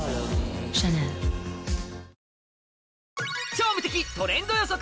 超無敵トレンド予測